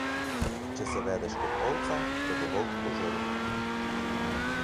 Če se vedeš kot ovca, te bo volk požrl.